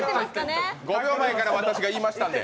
５秒前から私が言いましたんで。